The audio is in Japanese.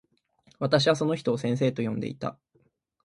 私はその人を先生と呼んでいた。